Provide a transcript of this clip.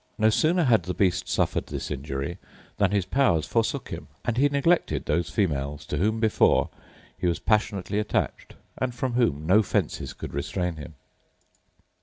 No sooner had the beast suffered this injury then his powers forsook him, and he neglected those females to whom before he was passionately attached, and from whom no fences could restrain him.